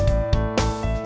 oke sampai jumpa